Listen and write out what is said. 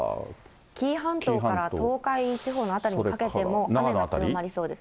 紀伊半島から東海地方の一部にかけても雨が広がりそうです。